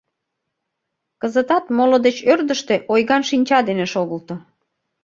Кызытат моло деч ӧрдыжтӧ ойган шинча дене шогылто...